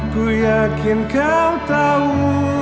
ku yakin kau tahu